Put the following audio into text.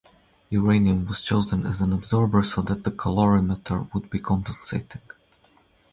Uranium was chosen as an absorber so that the calorimeter would be compensating.